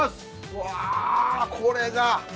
うわこれだ。